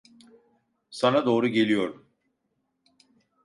Sana doğru geliyorum.